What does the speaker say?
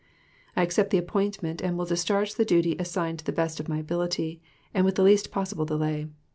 I accept the appointment and will discharge the duty assigned to the best of my ability and with the least possible delay.